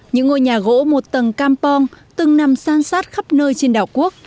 những ngôi nhà gỗ một tầng campong từng nằm san sát khắp nơi trên đảo quốc